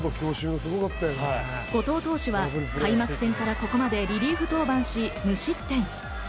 後藤投手は開幕戦からここまでリリーフ登板し無失点。